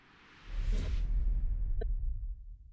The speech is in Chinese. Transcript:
无柄花瓜子金为远志科远志属下的一个种。